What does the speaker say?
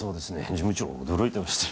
事務長驚いてましたよ